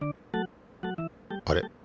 あれ？